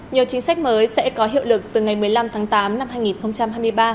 nhiều chính sách mới sẽ có hiệu lực từ ngày một mươi năm tháng tám năm hai nghìn hai mươi ba